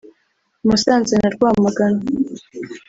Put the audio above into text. Musanze na Rwamagana